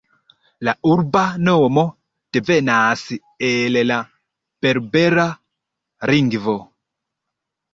La urba nomo devenas el la berbera lingvo.